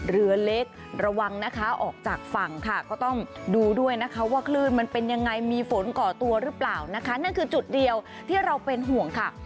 เรือเล็กระวังนะคะออกจากฝั่งค่ะก็ต้องดูด้วยนะคะว่าคลื่นมันเป็นยังไงมีฝนก่อตัวหรือเปล่านะคะนั่นคือจุดเดียวที่เราเป็นห่วงค่ะ